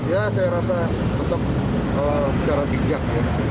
ya saya rasa tetap secara bijak